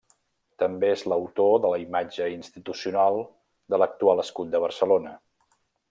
També és l'autor de la imatge institucional de l'actual escut de Barcelona.